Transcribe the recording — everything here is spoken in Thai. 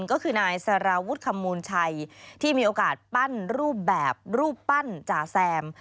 ก็คือนายสารวุฒิขมูลชัยที่มีโอกาสปั้นรูปแบบรูปปั้นจ่าแซม